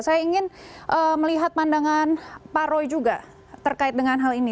saya ingin melihat pandangan pak roy juga terkait dengan hal ini